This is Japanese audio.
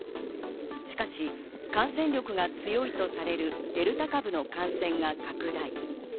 しかし感染力が強いとされるデルタ株の感染が拡大。